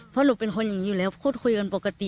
เพราะหนูเป็นคนอย่างนี้อยู่แล้วพูดคุยกันปกติ